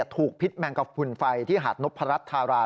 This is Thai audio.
พิษแมงกระพุนไฟที่หาดนพรัชธารา